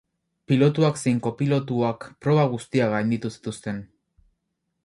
Pilotuak zein kopilotuak proba guztiak gainditu zituzten.